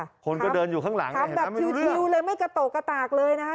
คนก็เดินอยู่ข้างหลังทำแบบชิวเลยไม่กระโตกกระตากเลยนะคะ